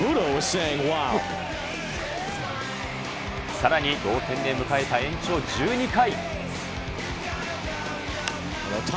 さらに同点で迎えた延長１２回。